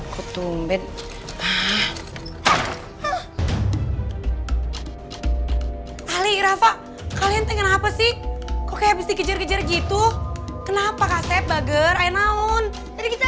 kali ini apa sih awareness tipe jelek gitu kenapa gak sep bager ahora un navrik